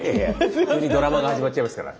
普通にドラマが始まっちゃいますから。